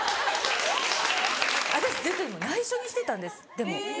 私ずっと内緒にしてたんですでも。